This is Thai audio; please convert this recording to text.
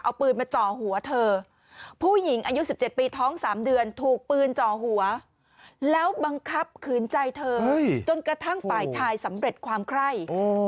เอาปืนมาจ่อหัวเธอผู้หญิงอายุ๑๗ปีท้อง๓เดือนถูกปืนจ่อหัวแล้วบังคับขืนใจเธอจนกระทั่งฝ่ายชายสำเร็จความไคร่